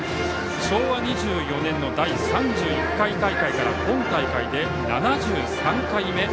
昭和２４年の第３１大会から今大会で７３回目。